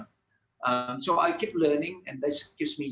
jadi saya terus belajar dan itu membuat saya muda